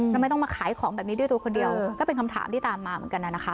ทำไมต้องมาขายของแบบนี้ด้วยตัวคนเดียวก็เป็นคำถามที่ตามมาเหมือนกันน่ะนะคะ